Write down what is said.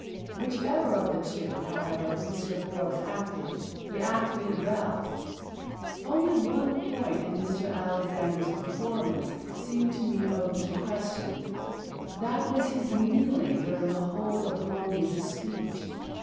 Whichever of the two, however, Mr. Forbes acted, he acted it well. Only one point in Mr. Alexander's performance seemed to me open to question, that was his kneeling during the whole of Polonius's speech.